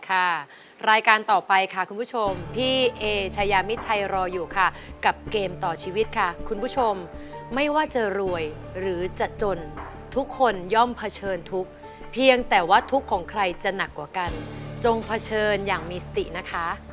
รายการต่อไปค่ะคุณผู้ชมพี่เอชายามิชัยรออยู่ค่ะกับเกมต่อชีวิตค่ะคุณผู้ชมไม่ว่าจะรวยหรือจะจนทุกคนย่อมเผชิญทุกข์เพียงแต่ว่าทุกข์ของใครจะหนักกว่ากันจงเผชิญอย่างมีสตินะคะ